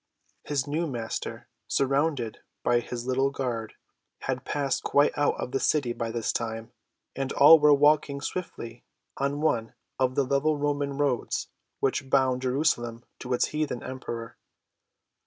His new Master, surrounded by his little guard, had passed quite out of the city by this time, and all were walking swiftly on one of the level Roman roads which bound Jerusalem to its heathen Emperor.